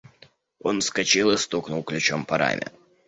– Он вскочил и стукнул ключом по раме.